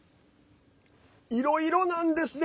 いろいろなんですね。